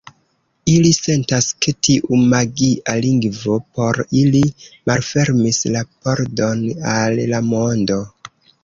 Ili sentas, ke tiu magia lingvo por ili malfermis la pordon al la mondo.